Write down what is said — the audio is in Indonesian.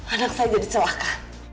anak saya jadi celaka